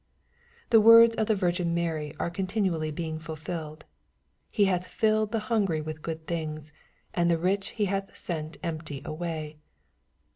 The words of the Virgin Mary are continually being fulfilled, " He hath fiilled the hungry with good things, and the rich he hath sent empty away."